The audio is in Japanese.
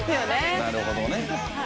なるほどね。